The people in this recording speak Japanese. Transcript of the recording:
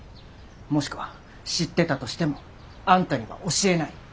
もしくは知ってたとしてもあんたには教えない。